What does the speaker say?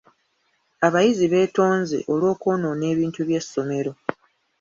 Abayizi beetonze olw'okwonoona ebintu by'essomero.